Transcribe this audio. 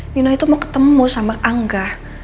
nina itu mau ketemu sama angga